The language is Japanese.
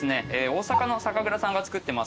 大阪の酒蔵さんが作ってます